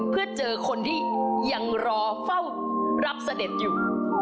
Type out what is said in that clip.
เพื่อเจอคนที่ยังรอเฝ้ารับเสด็จอยู่